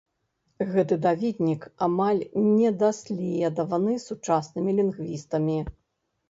Гэты даведнік амаль не даследаваны сучаснымі лінгвістамі.